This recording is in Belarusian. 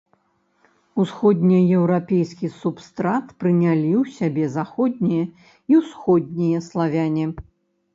Усходнееўрапейскі субстрат прынялі ў сябе заходнія і ўсходнія славяне.